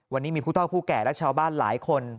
วันนี้มีผู้เท่าผู้แก่และชาวบ้านหลายคน